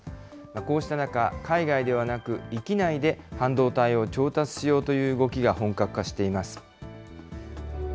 こうした中、海外ではなく、域内で半導体を調達しようという動きが本格化しています。